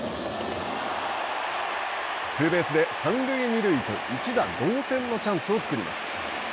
ツーベースで三塁二塁と一打同点のチャンスを作ります。